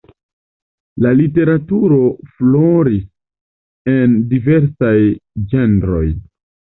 La literaturo floris en diversaj ĝenroj.